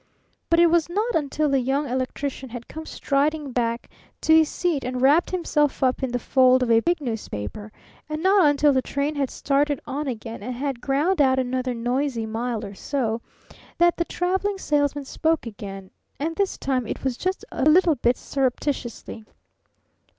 But it was not until the Young Electrician had come striding back to his seat, and wrapped himself up in the fold of a big newspaper, and not until the train had started on again and had ground out another noisy mile or so, that the Traveling Salesman spoke again and this time it was just a little bit surreptitiously.